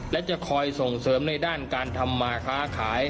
และจะคอยส่งเสริมในด้านการทำมาค้าขาย